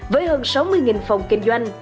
với hơn sáu mươi phòng kinh doanh